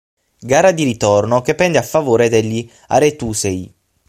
Gara di ritorno che pende a favore degli aretusei.